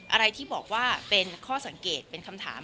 อะไรที่บอกว่าเป็นข้อสังเกตเป็นคำถาม